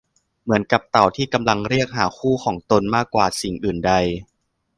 เหมือนกับเต่าที่กำลังเรียกหาคู่ของตนมากกว่าสิ่งอื่นใด